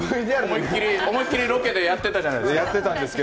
思いっきりロケでやってたじゃないですか。